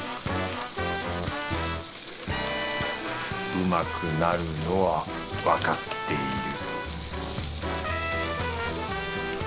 うまくなるのはわかっている